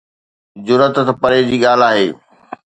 جرئت ته پري جي ڳالهه آهي.